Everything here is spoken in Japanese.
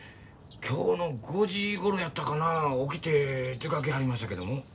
今日の５時ごろやったかな起きて出かけはりましたけども。